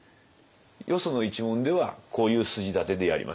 よその一門ではこういう筋立てでやります。